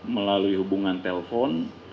melalui hubungan telpon